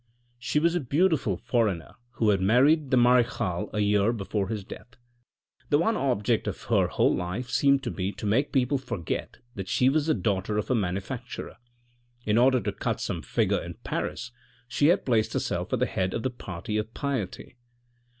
She was a beautiful foreigner who had married the marechal a year before his death. The one object of her whole life seemed to be to make people forget that she was the daughter of a manufacturer. In order to cut some figure in Paris she had placed herself at the head of the party of piety.